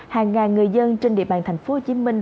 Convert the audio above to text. hàng ngàn người dân trên địa bàn thành phố hồ chí minh